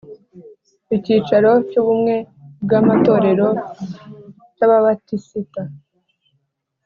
Icyicaro cy Ubumwe bw Amatorero y Ababatisita